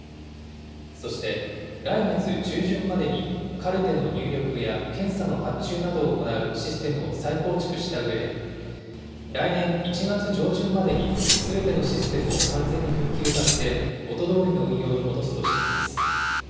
そして来月中旬までにカルテの入力や検査の発注などを行うシステムを再構築したうえで、来年１月上旬までにすべてのシステムを完全に復旧させて元どおりの運用に戻すとしています。